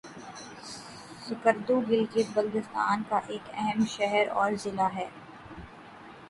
سکردو گلگت بلتستان کا ایک اہم شہر اور ضلع ہے